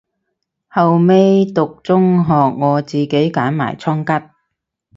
後尾讀中學我自己練埋倉頡